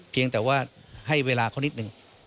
เพียงแต่ว่าให้เวลาเขานิดนึง